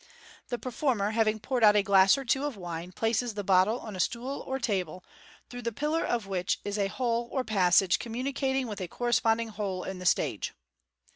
The performer, having poured out a glass or two of wine, places the bottle on a stool or table, through the pillar of which is a hole or pas sage communicating with a corresponding hole in the stage.